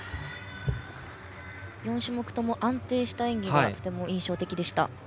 ４種目とも安定した演技がとても印象的でした。